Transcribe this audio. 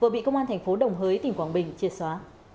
vừa bị công an tp đồng hới tỉnh quảng bình chia xóa